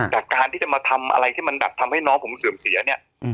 แต่การที่จะมาทำอะไรที่มันแบบทำให้น้องผมเสื่อมเสียเนี่ย